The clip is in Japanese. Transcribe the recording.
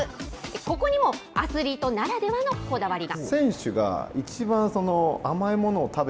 ここにもアスリートならではのこだわりが。